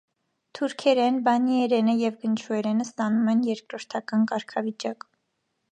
Թուրքերեն, բոսնիերենը և գնչուերենը ստանում են երկրորդական կարգավիճակ։